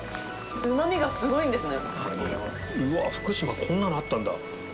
うまみがすごいんですね。